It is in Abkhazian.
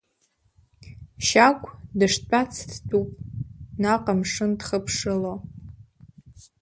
Шьагә дыштәац дтәуп, наҟ амшын дхыԥшыло.